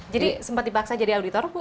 jadi sempat dibaksa jadi auditor bu